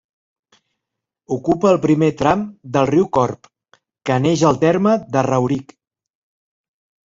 Ocupa el primer tram del riu Corb, que neix al terme de Rauric.